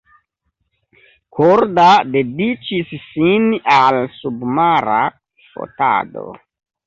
Korda dediĉis sin al submara fotado.